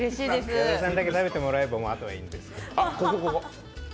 矢田さんにだけ食べてもらえれば、あとはもういいんです。